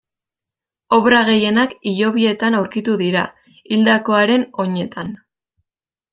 Obra gehienak hilobietan aurkitu dira, hildakoaren oinetan.